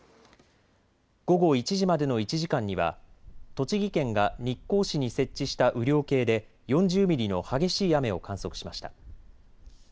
午後１時までの１時間には栃木県が日光市に設置した雨量計で４０ミリの激しい雨を観測しました。